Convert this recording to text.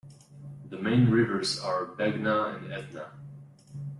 The main rivers are Begna and Etna.